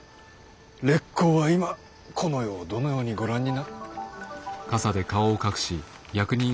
烈公は今この世をどのようにご覧に。